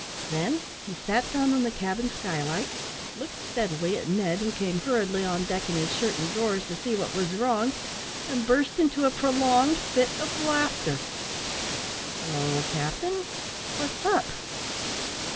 Then he sat down on the cabin skylight, looked steadily at Ned, who came hurriedly on deck in his shirt and drawers to see what was wrong, and burst into a prolonged fit of laughter. "Hallo, captain! what's up!"